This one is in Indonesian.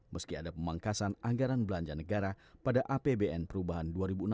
meski ada pemangkasan anggaran belanja negara pada apbn perubahan dua ribu enam belas